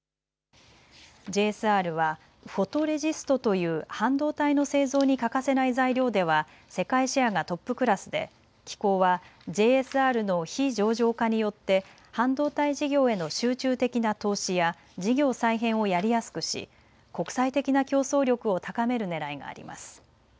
ＪＳＲはフォトレジストという半導体の製造に欠かせない材料では世界シェアがトップクラスで機構はＪＳＲの非上場化によって半導体事業への集中的な投資や事業再編をやりやすくし国際的な競争力を高めるねらいがあります。